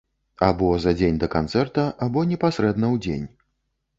Або за дзень да канцэрта, або непасрэдна ў дзень.